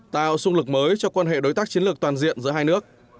tạo xung lực mới cho quan hệ đối tác chiến lược toàn diện giữa hai nước